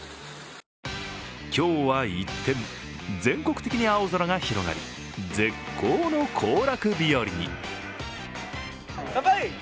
今日は一転、全国的に青空が広がり絶好の行楽日よりに。